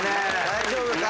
大丈夫か？